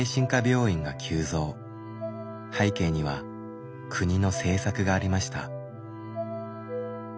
背景には国の政策がありました。